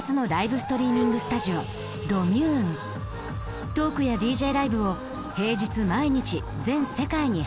ストリーミングスタジオトークやＤＪライブを平日毎日全世界に配信し続けている。